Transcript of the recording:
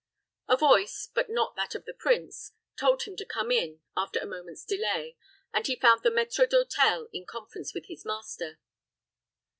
A voice, but not that of the prince, told him to come in, after a moment's delay, and he found the maître d'hôtel in conference with his master.